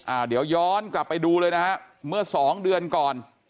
อ่าเดี๋ยวย้อนกลับไปดูเลยนะฮะเมื่อสองเดือนก่อน